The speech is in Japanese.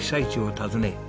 訪ね